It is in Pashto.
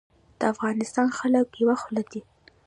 د افغانستان خلک یوه خوله دي